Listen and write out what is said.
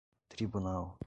tribunal